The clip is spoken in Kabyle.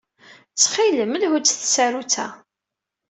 Ttxil-m, lhu-d s tsarut-a.